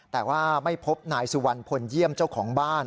แต่ว่าไม่พบนายสุวรรณพลเยี่ยมเจ้าของบ้าน